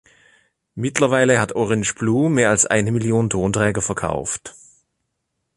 Mittlerweile hat Orange Blue mehr als eine Million Tonträger verkauft.